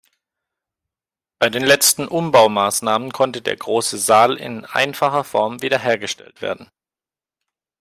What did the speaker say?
Bei den letzten Umbaumaßnahmen konnte der große Saal in einfacher Form wiederhergestellt werden.